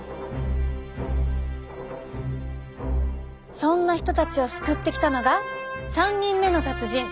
そんな人たちを救ってきたのが３人目の達人！